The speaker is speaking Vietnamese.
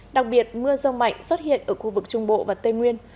đặc biệt mưa rông mạnh xuất hiện ở khu vực trung bộ và tây nguyên